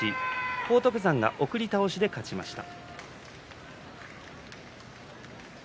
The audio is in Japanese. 荒篤山が送り倒しで勝ちました。